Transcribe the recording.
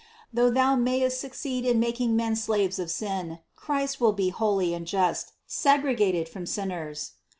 Though thou mayest succeed in making men slaves of sin, Christ will be holy and just, segregated from sinners.